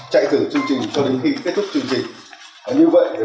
các đội quản lý nhà nước địa phương